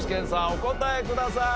お答えください。